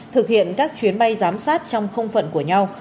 thực hiện các chuyến bay giám sát trong không phận của nhau